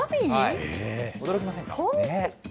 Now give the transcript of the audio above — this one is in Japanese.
驚きませんか？